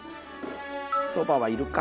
そばはいるか。